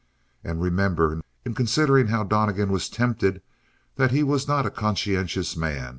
And remember, in considering how Donnegan was tempted, that he was not a conscientious man.